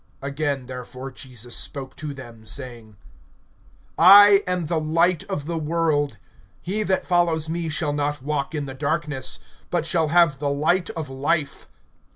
] (12)Again therefore Jesus spoke to them, saying: I am the light of the world; he that follows me shall not walk in the darkness, but shall have the light of life.